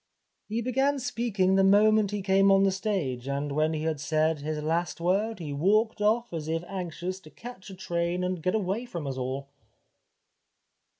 He began speaking the moment he came on the stage, and when he had said his last word he walked off as if anxious to catch a train and get away from us all."